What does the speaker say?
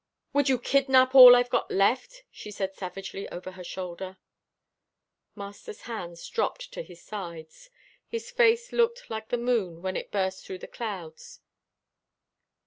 "Would you kidnap all I've got left?" she said savagely over her shoulder. Master's hands dropped to his sides. His face looked like the moon when it burst through the clouds.